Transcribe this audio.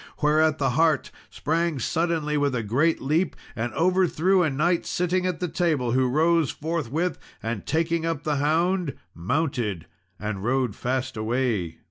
Whereat the hart sprang suddenly with a great leap, and overthrew a knight sitting at the table, who rose forthwith, and, taking up the hound, mounted, and rode fast away.